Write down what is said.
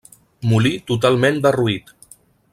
Molí totalment derruït.